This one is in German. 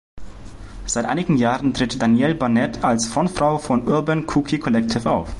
Seit einigen Jahren tritt Danielle Barnett als Frontfrau von Urban Cookie Collective auf.